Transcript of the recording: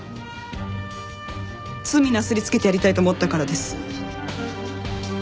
罪なすりつけてやりたいと思ったからです。